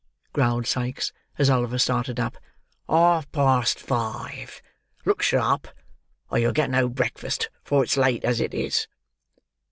growled Sikes, as Oliver started up; "half past five! Look sharp, or you'll get no breakfast; for it's late as it is."